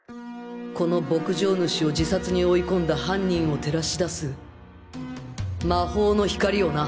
この牧場主を自殺に追い込んだ犯人を照らし出す魔法の光をな！